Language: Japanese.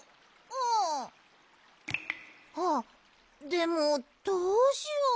でもどうしよう。